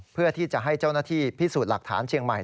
เพื่อที่จะให้เจ้าหน้าที่พิสูจน์หลักฐานเชียงใหม่